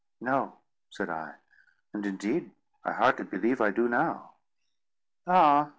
"No," said I; "and indeed I hardly believe I do now." "Ah!